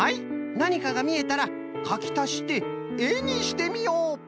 なにかがみえたらかきたしてえにしてみよう。